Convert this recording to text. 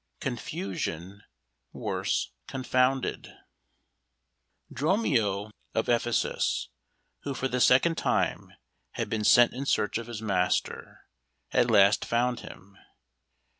Confusion worse Confounded Dromio of Ephesus, who for the second time had been sent in search of his master, at last found him.